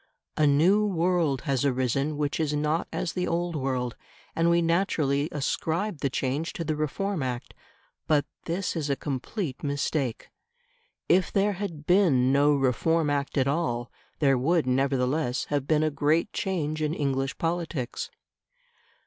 A new world has arisen which is not as the old world; and we naturally ascribe the change to the Reform Act. But this is a complete mistake. If there had been no Reform Act at all there would, nevertheless, have been a great change in English politics.